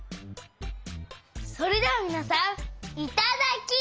それではみなさんいただき。